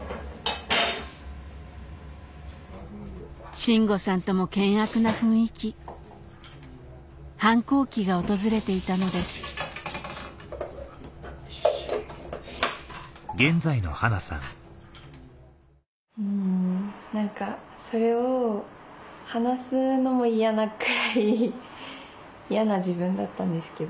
信吾さんとも険悪な雰囲気反抗期が訪れていたのですうん何かそれを話すのも嫌なくらい嫌な自分だったんですけど。